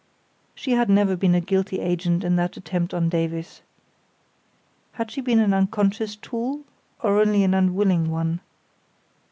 She had never been a guilty agent in that attempt on Davies. Had she been an unconscious tool or only an unwilling one?